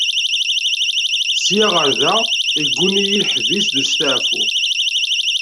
Sya ɣer da yegguni-iyi leḥbis d ustaɛfu.